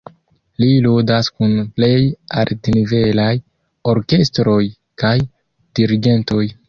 Li ludas kun plej altnivelaj orkestroj kaj dirigentoj.